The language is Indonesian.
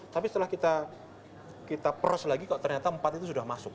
tapi setelah kita pros lagi kok ternyata empat itu sudah masuk